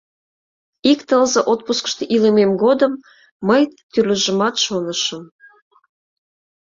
Ик тылзе отпускышто илымем годым мый тӱрлыжымат шонышым...